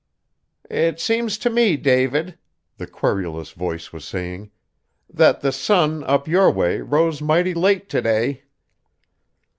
"It seems to me, David," the querulous voice was saying, "that the sun, up your way, rose mighty late to day."